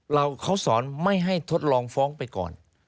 เราเขาสอนไม่ให้ทดลองฟ้องไปก่อน